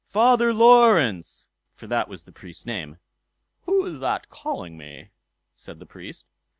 Father Laurence!"—for that was the Priest's name. "Who is that calling me?" said the Priest.